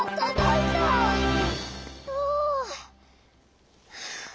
ああ。